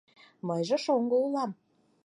— Мыйже шоҥго улам.